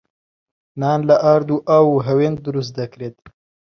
نان لە ئارد و ئاو و هەوێن دروست دەکرێت.